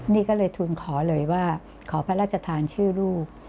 นี่ก็เลยทุนขอเลยว่าขอพระราชทานชื่อลูก